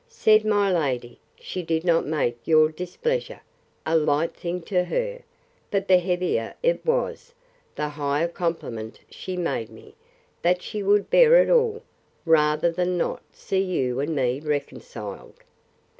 Said my lady, She did not make your displeasure a light thing to her; but the heavier it was, the higher compliment she made me, that she would bear it all, rather than not see you and me reconciled.